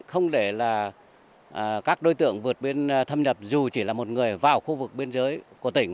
không để là các đối tượng vượt biên thâm nhập dù chỉ là một người vào khu vực biên giới của tỉnh